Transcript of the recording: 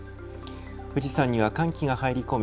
富士山には寒気が入り込み